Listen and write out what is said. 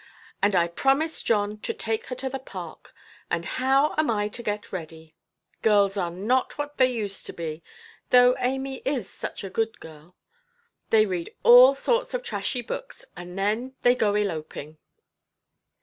And I promised John to take her to the park, and how am I to get ready? Girls are not what they used to be, though Amy is such a good girl. They read all sorts of trashy books, and then they go eloping".